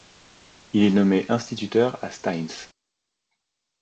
Il est nommé instituteur à Stains.